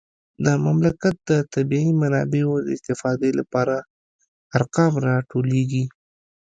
د مملکت د طبیعي منابعو د استفادې لپاره ارقام راټولیږي